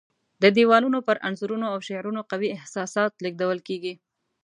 د دیوالونو پر انځورونو او شعرونو قوي احساسات لېږدول کېږي.